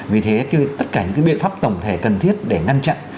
vì thế tất cả những biện pháp tổng thể cần thiết để ngăn chặn